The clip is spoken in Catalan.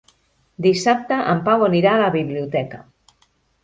Dissabte en Pau anirà a la biblioteca.